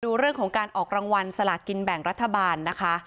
ดูเรื่องของการออกรางวัลสลากินแบ่งรัฐบาลนะคะ